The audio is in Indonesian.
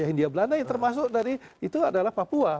hindia belanda yang termasuk dari itu adalah papua